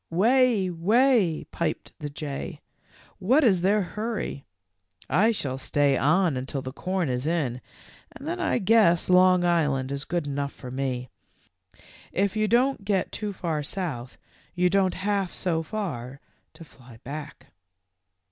"Wheh, wheh," piped the jay, "what is their hurry ? I shall stay on until the corn is in, and then I guess Long; Island is good enough for me. If you don't get too far South you don't have so far to fly back."